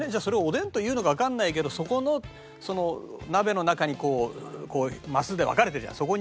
それをおでんというのかわかんないけどそこの鍋の中にこうマスで分かれてるじゃん。